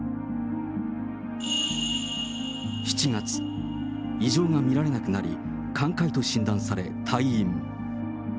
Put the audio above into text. ７月、異常が見られなくなり、寛解と診断され、退院。